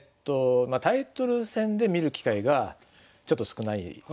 タイトル戦で見る機会がちょっと少ない。